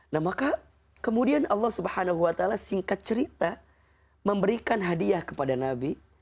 nah maka kemudian allah swt singkat cerita memberikan hadiah kepada nabi